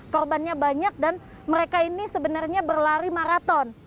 korbannya banyak dan mereka ini sebenarnya berlari maraton